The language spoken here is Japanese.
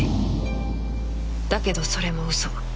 だけどそれも嘘